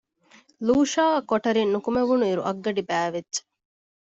ލޫޝާއަށް ކޮޓަރިން ނުކުމެވުނު އިރު އަށްގަޑި ބައިވެއްޖެ